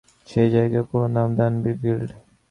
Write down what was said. সেই জায়গার পুরো নাম দানবীয় গিল্ড।